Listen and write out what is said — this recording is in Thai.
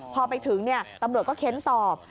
พอไปถึงตำรวจก็เค้นสอบ